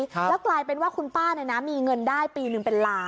แล้วกลายเป็นว่าคุณป้าเนี่ยนะมีเงินได้ปีหนึ่งเป็นล้าน